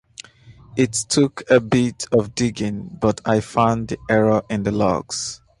It took a bit of digging but I found the error in the logs